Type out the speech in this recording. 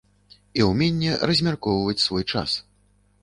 І ўменне размяркоўваць свой час.